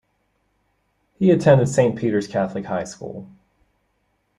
He attended Saint Peter's Catholic High School.